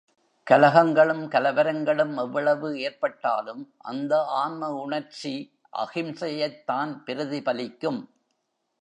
கலகங்களும், கலவரங்களும் எவ்வளவு ஏற்பட்டாலும், அந்த ஆன்ம உணர்ச்சி அஹிம்சையைத்தான் பிரதிபலிக்கும்.